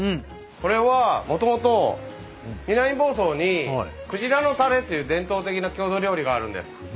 これはもともと南房総に「くじらのたれ」っていう伝統的な郷土料理があるんです。